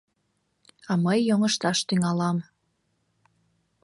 А мый йоҥышташ тӱҥалам.